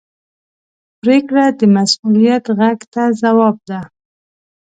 پرېکړه د مسؤلیت غږ ته ځواب ده.